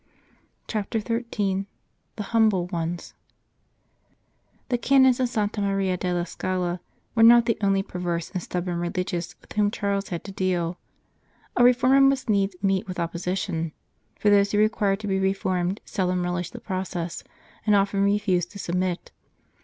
81 CHAPTER XIII THE HUMBLE ONES THE Canons of Santa Maria della Scala were not the only perverse and stubborn religious with whom Charles had to deal. A reformer must needs meet with opposition, for those who require to be reformed seldom relish the process, and often refuse to submit.